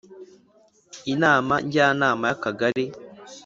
Inama Njyanama y Akagari